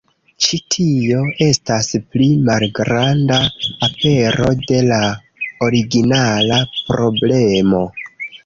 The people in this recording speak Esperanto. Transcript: Ĉi tio estas pli malgranda apero de la originala problemo.